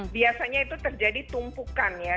biasanya itu terjadi tumpukan ya